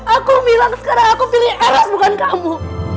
aku bilang sekarang aku pilih eras bukan kamu